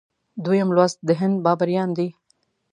دویم لوست د هند بابریان دي.